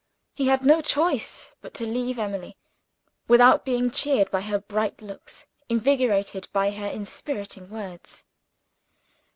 He had no choice but to leave Emily, without being cheered by her bright looks, invigorated by her inspiriting words.